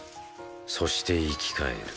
そして生き返る。